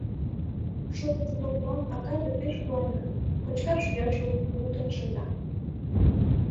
Шольыжо толмылан акаже пеш куана, кочкаш-йӱаш луктын шында.